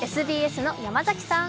ＳＢＳの山崎さん。